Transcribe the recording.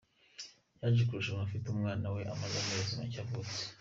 Yaje kurushanwa afite umwana we umaze amezi make avutse.